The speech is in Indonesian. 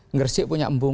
ngersik punya embung